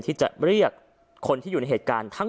พระเจ้าอาวาสกันหน่อยนะครับ